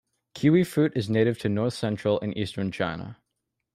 Kiwifruit is native to north-central and eastern China.